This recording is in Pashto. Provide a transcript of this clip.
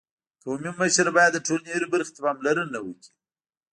قومي مشر باید د ټولني هري برخي ته پاملرنه وکړي.